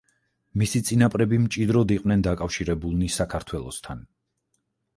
მისი წინაპრები მჭიდროდ იყვნენ დაკავშირებულნი საქართველოსთან.